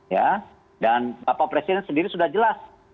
ya dan bapak presiden sendiri sudah jelas